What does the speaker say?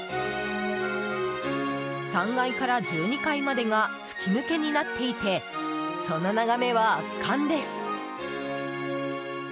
３階から１２階までが吹き抜けになっていてその眺めは圧巻です。